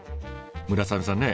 村雨さんね